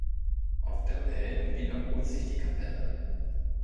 Auf dem Helm wiederholt sich die Kapelle.